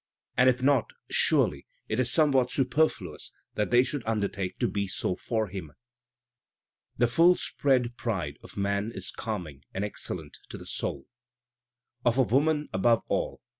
And, if not, siu^ly it is somewhat superfluous that they should undertake to be so for Him. *'* The full spread pride of man is calming and excellent to the soul,' "Of a woman above all.